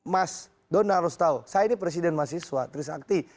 mas donal harus tahu saya ini presiden mahasiswa trisakti